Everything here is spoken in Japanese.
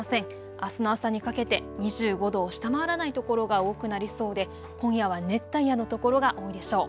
あすの朝にかけて２５度を下回らない所が多くなりそうで今夜は熱帯夜の所が多いでしょう。